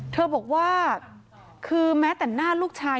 เธอบอกว่าคือแม้แต่หน้าลูกชาย